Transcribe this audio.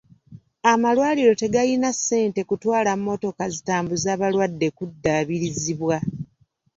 Amalwaliro tegalina ssente kutwala mmotoka zitambuza balwadde kuddaabirizibwa.